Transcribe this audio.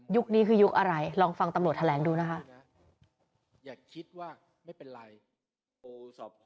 นี้คือยุคอะไรลองฟังตำรวจแถลงดูนะคะ